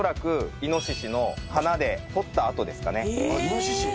イノシシ。